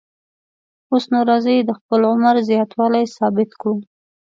اوس نو راځئ د خپل عمر زیاتوالی ثابت کړو.